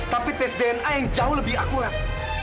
tapi tes dna yang jauh lebih akurat